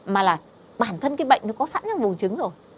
mà là bản thân cái bệnh nó có sẵn trong vùng trứng rồi